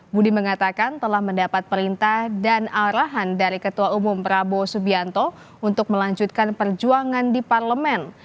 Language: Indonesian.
budi mengatakan telah mendapat perintah dan arahan dari ketua umum prabowo subianto untuk melanjutkan perjuangan di parlemen